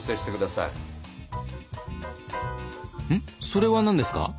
それは何ですか？